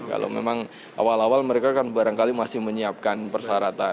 kalau memang awal awal mereka kan barangkali masih menyiapkan persyaratan